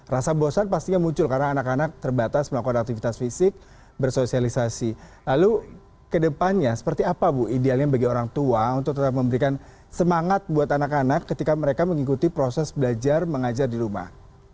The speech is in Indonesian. rasa bosan pastinya muncul karena anak anak terbatas melakukan aktivitas fisik bersosialisasi lalu kedepannya seperti apa bu idealnya bagi orang tua untuk tetap memberikan semangat buat anak anak ketika mereka mengikuti proses belajar mengajar di rumah